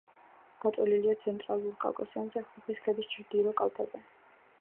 გაწოლილია ცენტრალურ კავკასიონზე, ხოხის ქედის ჩრდილო კალთაზე.